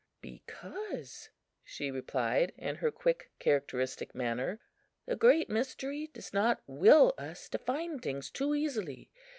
"Because," she replied, in her quick, characteristic manner, "the Great Mystery does not will us to find things too easily.